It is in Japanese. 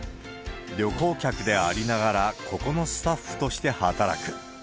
旅行客でありながら、ここのスタッフとして働く。